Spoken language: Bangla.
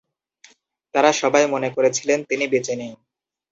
তারা সবাই মনে করেছিলেন তিনি বেঁচে নেই।